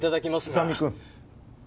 宇佐見君。